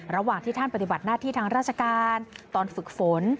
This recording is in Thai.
ระหว่างที่ท่านปฏิบัติหน้าที่ทางราชการตอนฝึกฝน